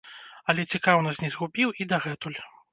Але цікаўнасць не згубіў і дагэтуль.